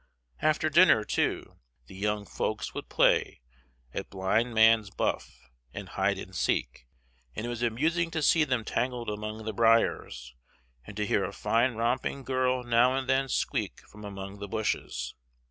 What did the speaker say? After dinner, too, the young folks would play at blindman's buff and hide and seek, and it was amusing to see them tangled among the briers, and to hear a fine romping girl now and then squeak from among the bushes.